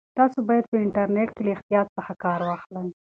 تاسو باید په انټرنیټ کې له احتیاط څخه کار واخلئ.